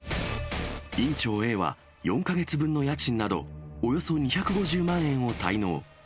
院長Ａは、４か月分の家賃など、およそ２５０万円を滞納。